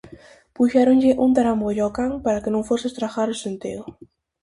Puxéronlle un tarambollo ao can para que non fose estragar o centeo.